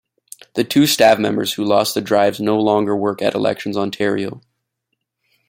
The two staff members who lost the drives no longer work at Elections Ontario.